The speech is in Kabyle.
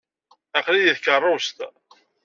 Aql-iyi deg tkeṛṛust.